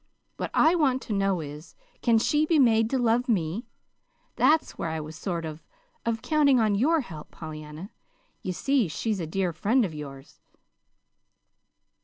"What I want to know is can she be made to love me? That's where I was sort of of counting on your help, Pollyanna. You see, she's a dear friend of yours."